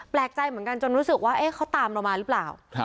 แปลกใจเหมือนกันจนรู้สึกว่าเขาตามเรามาหรือเปล่า